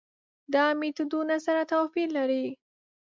دا میتودونه سره توپیر لري.